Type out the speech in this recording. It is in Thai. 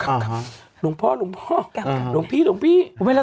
อามงค์ต่อโมงพ่อโมงพี่